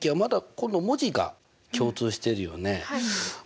今度文字が共通してるよね。